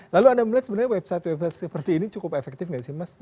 lalu anda melihat sebenarnya website website seperti ini cukup efektif nggak sih mas